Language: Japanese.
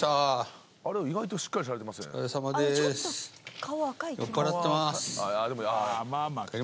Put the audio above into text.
意外としっかりされてますね。